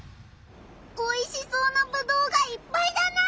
おいしそうなぶどうがいっぱいだな。